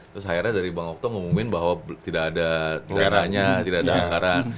terus akhirnya dari bang okto ngomongin bahwa tidak ada anggaran